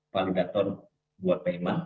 penggantung buat payment